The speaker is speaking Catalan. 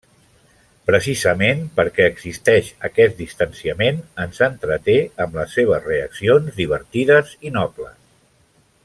Precisament perquè existeix aquest distanciament, ens entreté amb les seves reaccions divertides i nobles.